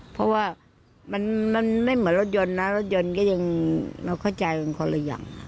เพราะว่ามันไม่เหมือนรถยนต์นะรถยนต์ก็ยังเราเข้าใจกันคนละอย่าง